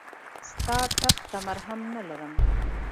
ستا ټپ ته مرهم نه لرم !